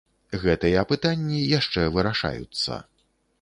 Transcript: Гэтыя пытанні яшчэ вырашаюцца.